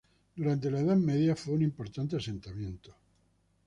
Durante la edad Media fue un importante asentamiento.